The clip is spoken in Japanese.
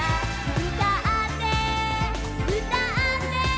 「うたってうたって」